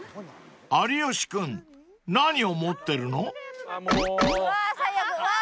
［有吉君何を持ってるの？］もうー。